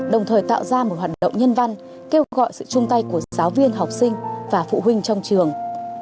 đồng thời tạo ra một hoạt động nhân văn kêu gọi sự chung tay của giáo viên học sinh và phụ huynh trong trường